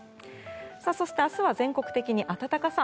そして、明日は全国的に暖かさ